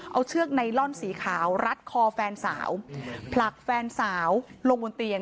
เอาเชือกไนลอนสีขาวรัดคอแฟนสาวผลักแฟนสาวลงบนเตียง